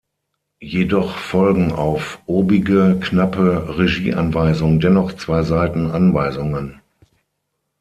Jedoch folgen auf obige knappe Regieanweisung dennoch zwei Seiten Anweisungen.